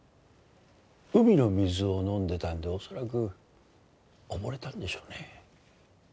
海の水を飲んでたんで恐らく溺れたんでしょうね。